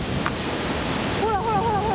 ほらほらほらほら。